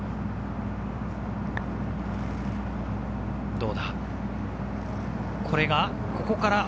どうだ？